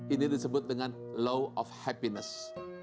ini disebut dengan law of happiness